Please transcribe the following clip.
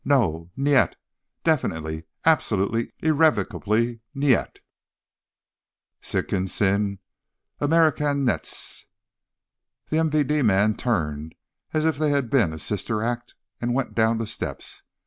No. Nyet Definitely, absolutely irrevocably nyet." "Sikin sin Amerikanyets!" The MVD men turned, as if they'd been a sister act, and went down the steps.